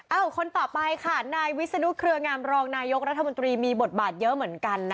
คนต่อไปค่ะนายวิศนุเครืองามรองนายกรัฐมนตรีมีบทบาทเยอะเหมือนกันนะคะ